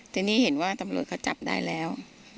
ทีนี้เห็นว่าตำรวจเขาจับได้แล้ว